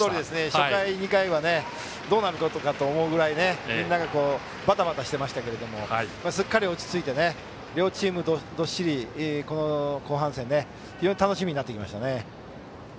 初回、２回はどうなることかと思うくらいみんながバタバタしてましたがすっかり落ち着いて両チームどっしりこの後半戦、非常に楽しみになってきましたね。